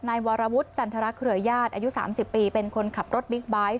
นายวรวุฒิจันทรเครือญาติอายุ๓๐ปีเป็นคนขับรถบิ๊กไบท์